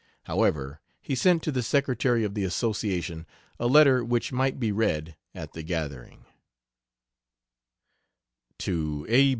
However, he sent to the secretary of the association a letter which might be read at the gathering: To A.